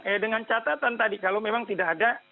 eh dengan catatan tadi kalau memang tidak ada